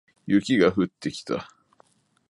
雪が降ってきた